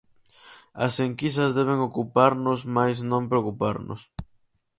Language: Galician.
As enquisas deben ocuparnos mais non preocuparnos.